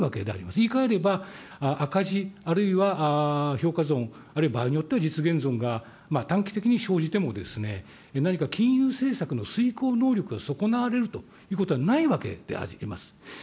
言いかえれば、赤字あるいは評価損、あるいは場合によっては実現損が短期的に生じても、何か金融政策の遂行能力が損なわれるということはないわけであります。